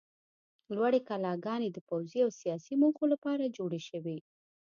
لوړې کلاګانې د پوځي او سیاسي موخو لپاره جوړې شوې.